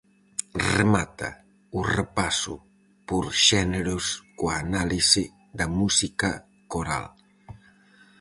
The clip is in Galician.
Remata o repaso por xéneros coa análise da música coral.